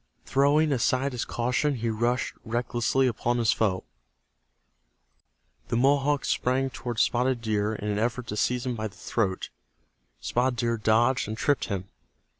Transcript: Throwing aside his caution, he rushed recklessly upon his foe. The Mohawk sprang toward Spotted Deer in an effort to seize him by the throat. Spotted Deer dodged and tripped him.